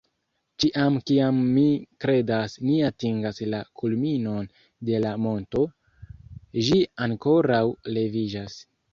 Ĉiam kiam mi kredas ni atingas la kulminon de la monto, ĝi ankoraŭ leviĝas